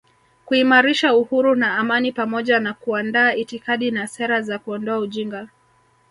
kuimarisha uhuru na amani pamoja na kuandaa itikadi na sera za kuondoa ujinga